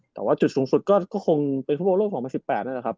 แต่ว่าจุดสูงสุดก็คงเป็นภูมิบ่าโลกของปี๒๐๑๘นั่นแหละครับ